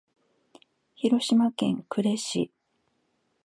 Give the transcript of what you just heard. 広島県呉市